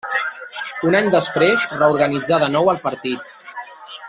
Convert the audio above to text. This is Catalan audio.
Un any després reorganitzà de nou el partit.